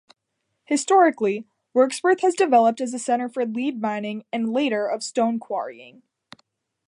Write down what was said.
Historically, Wirksworth developed as a centre for lead mining and later of stone quarrying.